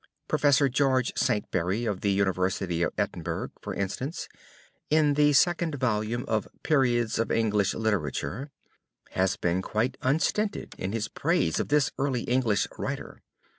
Prof. George Saintsbury, of the University of Edinburgh, for instance, in the second volume of Periods of English Literature, [Footnote 18] has been quite unstinted in his praise of this early English writer.